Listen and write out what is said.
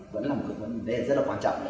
vẫn là một vấn đề rất là quan trọng